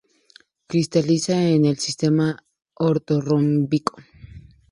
Cristaliza en el sistema ortorrómbico.